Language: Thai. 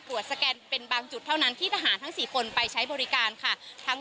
สแกนเป็นบางจุดเท่านั้นที่ทหารทั้ง๔คนไปใช้บริการค่ะ